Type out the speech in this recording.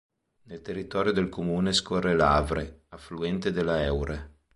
Nel territorio del comune scorre l'Avre, affluente della Eure.